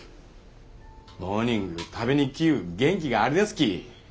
モーニング食べに来ゆう元気があるやすき